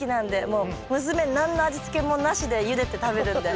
もう娘何の味付けもなしでゆでて食べるんで。